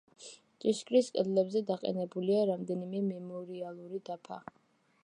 ჭიშკრის კედლებზე დაყენებულია რამდენიმე მემორიალური დაფა.